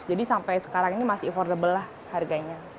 jadi sampai sekarang ini masih affordable lah harganya